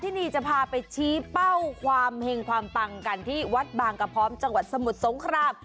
ที่นี่จะพาไปชี้เป้าความเห็งความปังกันที่วัดบางกระพร้อมจังหวัดสมุทรสงคราม